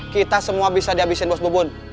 kita semua bisa dihabisin bos bebun